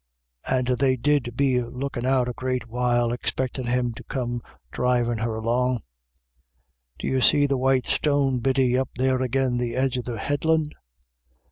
And they did be lookin' out a great while, expectin' him to come dhrivin' her along. D'you see the white stone, BACKWARDS AND FORWARDS. 263 Biddy, up there agin the edge of the headland?